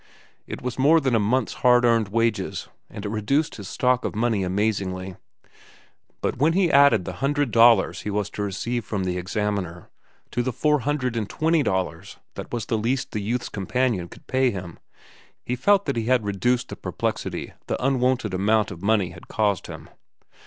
It was more than a month's hard earned wages, and it reduced his stock of money amazingly; but when he added the hundred dollars he was to receive from the Examiner to the four hundred and twenty dollars that was the least The Youth's Companion could pay him, he felt that he had reduced the perplexity the unwonted amount of money had caused him.